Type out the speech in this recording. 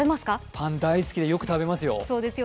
パン大好きでよく食べますよ。